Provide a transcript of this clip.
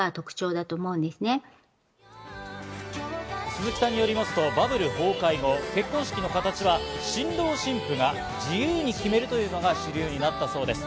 鈴木さんによりますと、バブル崩壊後、結婚式の形は新郎新婦が自由に決めるというのが主流になったそうです。